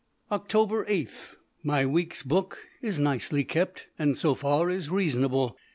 Oct. 8. My week's book is nicely kept, and so far is reasonable.